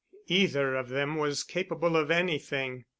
Either of them was capable of anything.